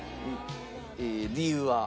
理由は？